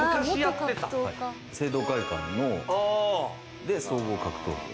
正道会館の総合格闘技を。